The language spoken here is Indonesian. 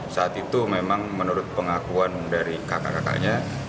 saat itu memang menurut pengakuan dari kakak kakaknya